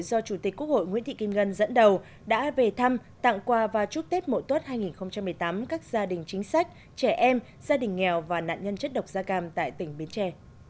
do chủ tịch quốc hội nguyễn thị kim ngân dẫn đầu đã về thăm tặng quà và chúc tết mộ tốt hai nghìn một mươi tám các gia đình chính sách trẻ em gia đình nghèo và nạn nhân chất độc da cam tại tỉnh bến tre